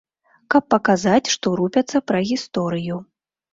Каб паказаць, што рупяцца пра гісторыю.